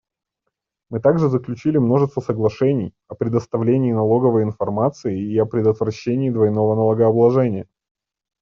Мы также заключили множество соглашений о предоставлении налоговой информации и о предотвращении двойного налогообложения.